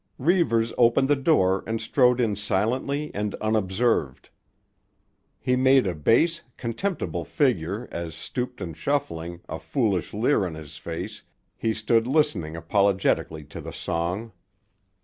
Reivers opened the door and strode in silently and unobserved. He made a base, contemptible figure as, stooped and shuffling, a foolish leer on his face, he stood listening apologetically to the song.